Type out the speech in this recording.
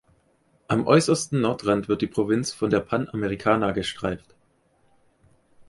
Am äußersten Nordrand wird die Provinz von der Panamericana gestreift.